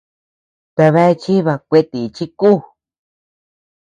¿Tabea chiba kuetíchi ku?